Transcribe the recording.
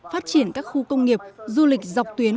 phát triển các khu công nghiệp du lịch dọc tuyến